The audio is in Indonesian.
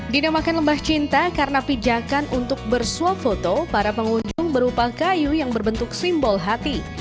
dinamakan lembah cinta karena pijakan untuk bersuap foto para pengunjung berupa kayu yang berbentuk simbol hati